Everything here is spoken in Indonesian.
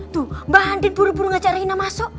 tuh mbak andien buru buru ngajak rehina masuk